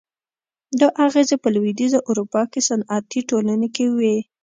دا اغېزې په لوېدیځه اروپا کې صنعتي ټولنې کې وې.